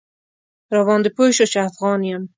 راباندې پوی شو چې افغان یم.